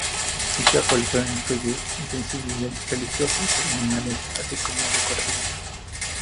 Dicha colección incluye utensilios religiosos y ceremoniales así como decorativos.